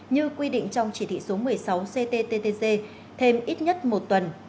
như quy định trong chỉ thị số một mươi sáu cttg thêm ít nhất một tuần